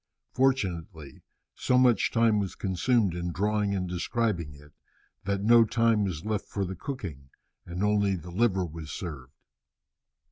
Fortunately so much time was consumed in drawing and describing it that no time was left for the cooking, and only the liver was served.